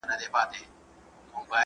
زه په کمپيوټر کي انځور ايډيټ کوم.